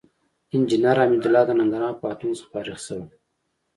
انجينر حميدالله د ننګرهار پوهنتون څخه فارغ شوى.